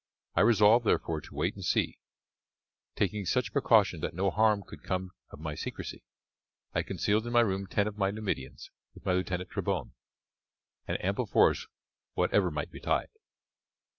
I resolved, therefore, to wait and see, taking such precaution that no harm could come of my secrecy. I concealed in my room ten of my Numidians, with my lieutenant Trebon an ample force whatever might betide.